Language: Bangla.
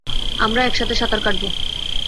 আমরা একসাথে সাঁতার কাটবো।